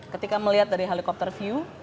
ketika melihat dari helikopter view